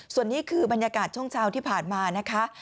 ส่วนนี้คือบรรยากาศช่วงเช้าที่ผ่านมานะคะ